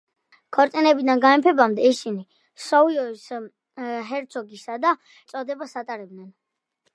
ქორწინებიდან გამეფებამდე ისინი სავოიის ჰერცოგისა და ჰერცოგინიის წოდებას ატარებდნენ.